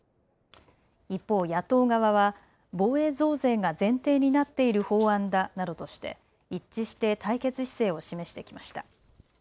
一方、野党側は防衛増税が前提になっている法案だなどとして一致して対決姿勢を示してきました。